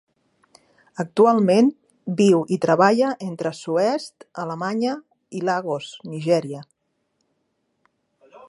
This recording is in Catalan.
Actualment, viu i treballa entre Soest, Alemanya, i Lagos, Nigèria.